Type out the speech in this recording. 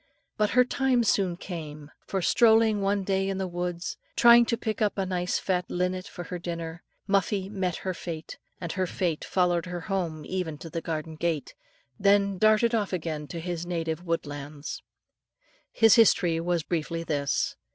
But her time soon came, for strolling one day in the woods, trying to pick up a nice fat linnet for her dinner, Muffie met her fate, and her fate followed her home even to the garden gate, then darted off again to his native woodland. His history was briefly this.